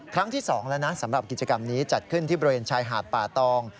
ครั้งที่๒แล้วนะสำหรับกิจกรรมนี้จัดขึ้นที่บริเวณชายหาดป่าตอง